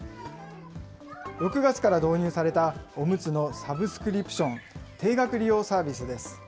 ６月から導入されたおむつのサブスクリプション・定額利用サービスです。